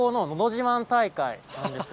自慢大会なんです。